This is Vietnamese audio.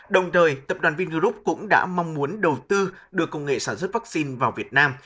đồng thời tập đoàn vingroup cũng đã mong muốn đầu tư đưa công nghệ sản xuất vaccine vào việt nam